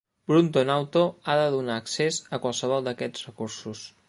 Brunton Auto ha de donar a accés a qualsevol d'aquests recursos.